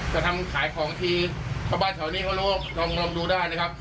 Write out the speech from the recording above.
จะทำขายของที่ชาวบ้านแถวนี้เขาลองดูได้นะครับ